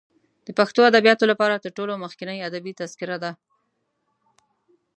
د پښتو ادبیاتو لپاره تر ټولو مخکنۍ ادبي تذکره ده.